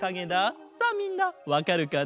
さあみんなわかるかな？